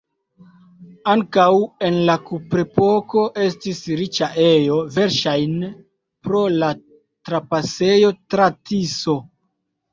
Ankaŭ en la kuprepoko estis riĉa ejo, verŝajne pro la trapasejo tra Tiso.